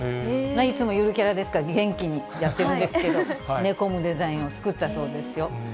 いつもゆるキャラですから、元気にやってるんですけど、寝込むデザインを作ったそうですよ。